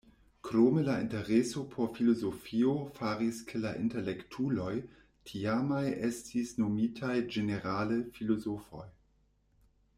Krome la intereso por filozofio faris ke la intelektuloj tiamaj estis nomitaj ĝenerale "filozofoj".